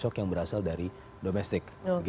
shock yang berasal dari domestik